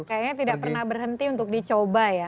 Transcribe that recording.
kayaknya tidak pernah berhenti untuk dicoba ya